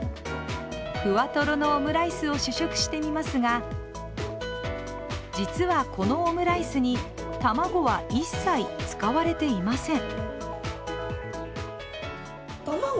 ふわとろのオムライスを試食してみますが実は、このオムライスに卵は一切使われていません。